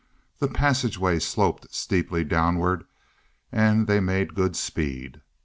The passageway sloped steeply downward, and they made good speed.